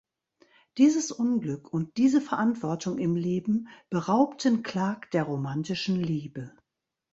Dieses Unglück und diese Verantwortung im Leben beraubten Clark der romantischen Liebe.